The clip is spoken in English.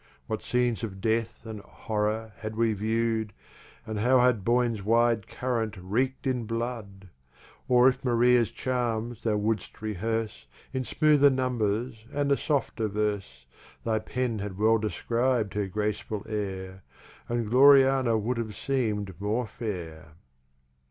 What Scenes of Death and Horrour had we viewd, And how had Boine's wide Current Reek'd in Blood! Or if Maria's Charms thou wou'dst rehearse, In smoother Numbers and a softer Verse, Thy Pen had well describ'd her Graceful Air, And Gloriana wou'd have seem'd more Fair.